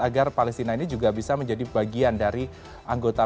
agar palestina ini juga bisa menjadi bagian dari anggota